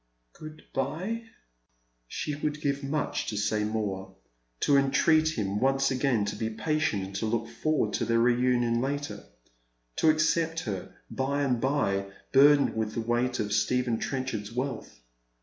"Good bve." She would give much to say more — to entreat him once again to be patient and to look forward to their reunion later — to accept her by and bye, bui'dened with the weight of Stephen Trencliard's wealth.